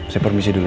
saya permisi dulu ya